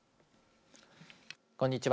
こんにちは。